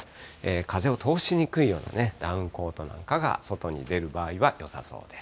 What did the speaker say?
風を通しにくいようなダウンコートなんかが、外に出る場合はよさそうです。